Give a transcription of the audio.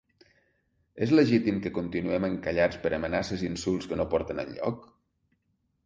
És legítim que continuem encallats per amenaces i insults que no porten enlloc?